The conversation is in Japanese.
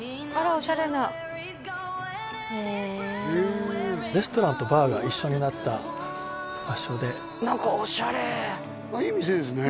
オシャレなへえレストランとバーが一緒になった場所で何かオシャレいい店ですね